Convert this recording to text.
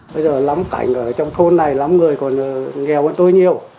bây giờ lắm cảnh ở trong thôn này lắm người còn nghèo bọn tôi nhiều